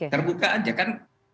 terbuka aja kan